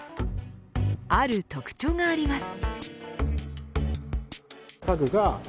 ある特長があります。